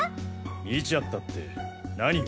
見ちゃったって何を？